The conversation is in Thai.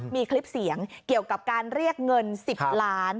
มีคลิปเสียงเกี่ยวกับการเรียกเงิน๑๐ล้าน